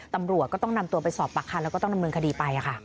ตำรวจก็ต้องนำตัวไปสอบปากคำแล้วก็ต้องดำเนินคดีไปค่ะ